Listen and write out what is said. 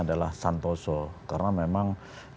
adalah santoso karena memang